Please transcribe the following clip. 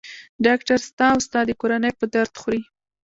ډاکټر ستا او ستا د کورنۍ په درد خوري.